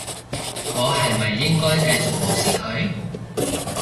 我係咪應該繼續無視佢？